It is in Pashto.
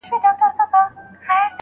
اسان به نه وي خو ديدن به دې کومه داسې